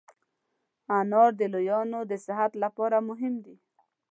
انار د لویانو د صحت لپاره مهم دی.